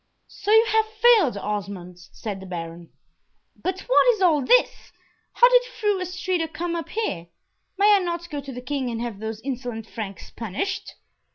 "So you have failed, Osmond?" said the Baron. "But what is all this? How did Fru Astrida come up here? May I not go to the King and have those insolent Franks punished?"